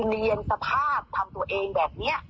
เรียนสภาพทำตัวเองแบบนี้